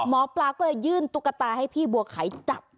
หมอปลาก็เลยยื่นตุ๊กตาให้พี่บัวไข่จับ